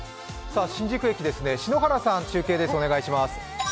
新宿駅から篠原さん、中継です。